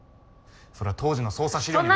それは当時の捜査資料に。